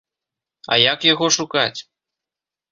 А як яго шукаць?